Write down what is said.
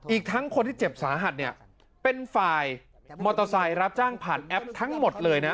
อีกทั้งคนที่เจ็บสาหัสเนี่ยเป็นฝ่ายมอเตอร์ไซค์รับจ้างผ่านแอปทั้งหมดเลยนะ